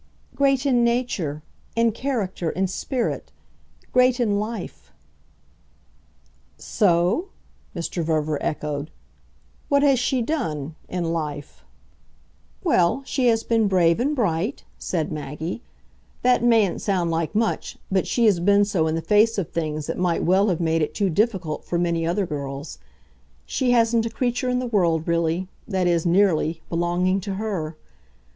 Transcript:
"Great in nature, in character, in spirit. Great in life." "So?" Mr. Verver echoed. "What has she done in life?" "Well, she has been brave and bright," said Maggie. "That mayn't sound like much, but she has been so in the face of things that might well have made it too difficult for many other girls. She hasn't a creature in the world really that is nearly belonging to her.